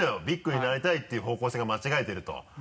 ビッグになりたいっていう方向性が間違えてると。